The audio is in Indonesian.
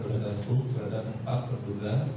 lakukan berdekatan hukum berdekatan empat terduga